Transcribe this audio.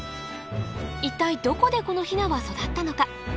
一体どこでこのヒナは育ったのか